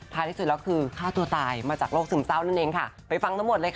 ที่สุดแล้วคือฆ่าตัวตายมาจากโรคซึมเศร้านั่นเองค่ะไปฟังทั้งหมดเลยค่ะ